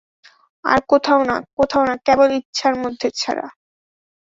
আর কোথাও না, কোথাও না, কেবল ইচ্ছের মধ্যে ছাড়া।